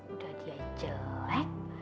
udah dia jelek